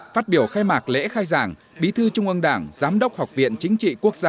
phát biểu khai mạc lễ khai giảng bí thư trung ương đảng giám đốc học viện chính trị quốc gia